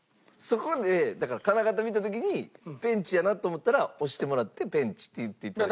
そこでだから金型見た時にペンチやなと思ったら押してもらって「ペンチ」って言って頂いたら。